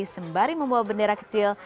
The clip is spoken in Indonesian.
sembari membawa bendera kecil